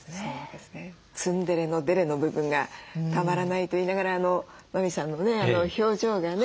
ツンデレのデレの部分がたまらないと言いながらあの麻美さんのね表情がね